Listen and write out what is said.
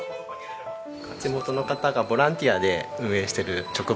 地元の方がボランティアで運営してる直売所になります。